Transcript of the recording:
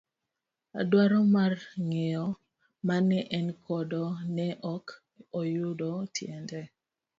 Dwaro mar ng'eyo mane en godo ne ok oyudo tiende.